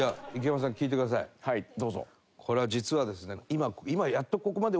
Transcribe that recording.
これは実はですね。